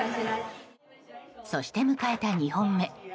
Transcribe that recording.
そして迎えた２本目。